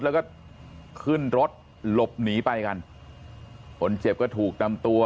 แล้วก็ขึ้นรถหลบหนีไปกันคนเจ็บก็ถูกนำตัว